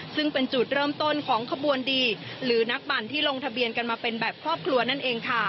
ซึ่งเป็นจุดเริ่มต้นของขบวนดีหรือนักบั่นที่ลงทะเบียนกันมาเป็นแบบครอบครัวนั่นเองค่ะ